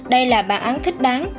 đây là bản án thích đáng